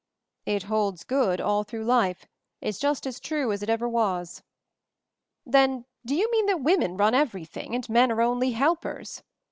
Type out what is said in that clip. "It holds good all through life — is just as true as it ever was." "Then — do you mean that women run everything, and men are only helpers?"